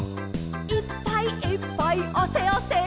「いっぱいいっぱいあせあせ」